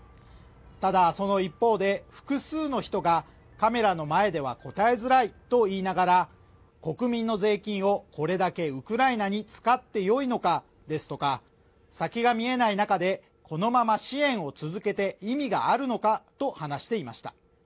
ただその一方で、複数の人がカメラの前では答えづらいと言いながら国民の税金をこれだけウクライナに使ってよいのかですとか、先が見えない中でこのまま支援を続けて意味があるのかと話していました。